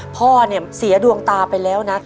พ่อเนี่ยเสียดวงตาไปแล้วนะ